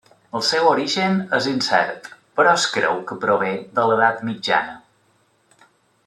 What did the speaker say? El seu origen és incert, però es creu que prové de l'edat mitjana.